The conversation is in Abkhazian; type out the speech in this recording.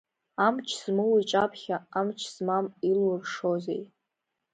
Амч змоу иҿаԥхьа амч змам илуршозеи…